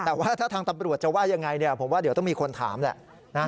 แต่ว่าถ้าทางตำรวจจะว่ายังไงผมว่าเดี๋ยวต้องมีคนถามแหละ